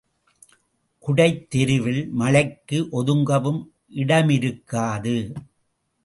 குடைத் தெருவில் மழைக்கு ஒதுங்கவும் இடமிருக்காது.